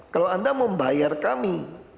kalau anda mau bayar kami